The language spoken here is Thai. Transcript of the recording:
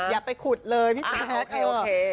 อย่าไปขุดเลยพี่แท็ก